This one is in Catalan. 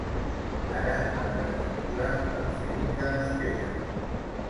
Ara ha de tenir cura del fill que espera.